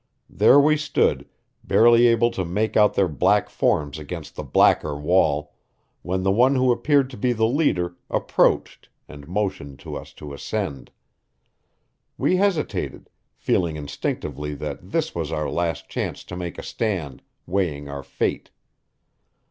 There we stood, barely able to make out their black forms against the blacker wall, when the one who appeared to be the leader approached and motioned to us to ascend. We hesitated, feeling instinctively that this was our last chance to make a stand, weighing our fate.